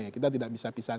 kita tidak bisa pisahkan